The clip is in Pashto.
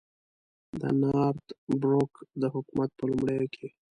د نارت بروک د حکومت په لومړیو کې.